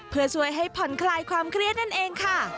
เพื่อช่วยให้ผ่อนคลายความเครียดนั่นเองค่ะ